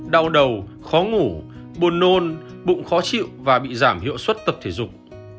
đau đầu khó ngủ buồn nôn bụng khó chịu và bị giảm hiệu suất tập thể dục